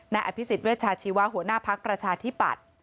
อภิษฎเวชาชีวะหัวหน้าภักดิ์ประชาธิปัตย์